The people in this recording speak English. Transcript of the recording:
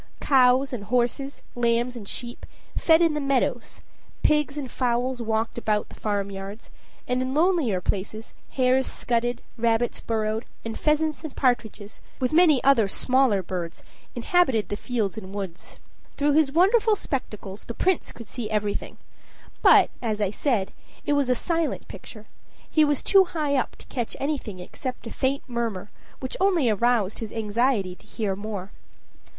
Cows and horses, lambs and sheep, fed in the meadows; pigs and fowls walked about the farm yards; and in lonelier places hares scudded, rabbits burrowed, and pheasants and partridges, with many other smaller birds, inhabited the fields and woods. Through his wonderful spectacles the Prince could see everything; but, as I said, it was a silent picture; he was too high up to catch anything except a faint murmur, which only aroused his anxiety to hear more.